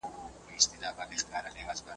قابیله! پوه یمه ، چې هره شېبه ځان وژنې ته